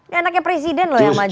ini anaknya presiden loh yang maju